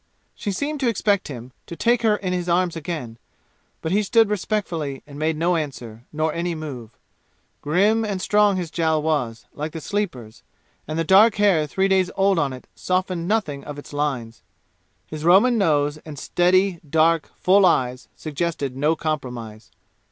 She seemed to expect him to take her in his arms again; but he stood respectfully and made no answer, nor any move. Grim and strong his jowl was, like the Sleeper's, and the dark hair three days old on it softened nothing of its lines. His Roman nose and steady, dark, full eyes suggested no compromise.